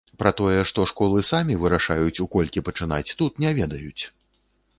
Пра тое, што школы самі вырашаюць, у колькі пачынаць, тут не ведаюць!